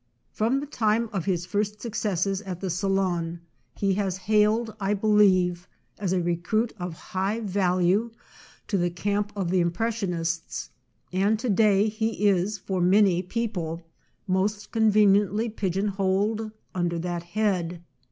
From the time of his first successes at the Salon he was hailed, I believe, as a recruit of high value to the camp of the Impressionists, and to day he is for many people most conveniently pigeon holed under that head.